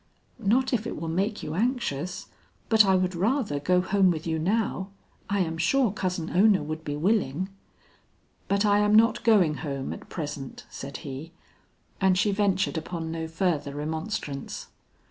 "Not if it will make you anxious. But I would rather go home with you now. I am sure Cousin Ona would be willing." "But I am not going home at present," said he; and she ventured upon no further remonstrance.